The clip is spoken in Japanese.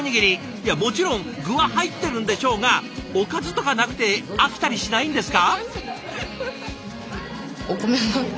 いやもちろん具は入ってるんでしょうがおかずとかなくて飽きたりしないんですか？